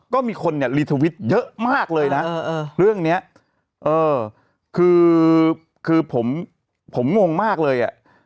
ก็มีคนเนี่ยรีทวิตเยอะมากเลยนะเรื่องนี้เออคือผมงงมากเลยอ่ะ